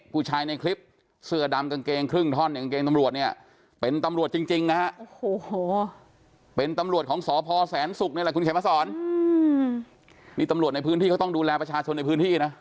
เป็นตำรวจของสพแสนศุกร์นี่แหละคุณเขมภาษอร์นี่ตำรวจในพื้นที่เขาต้องดูแลประชาชนในพื้นที่นะ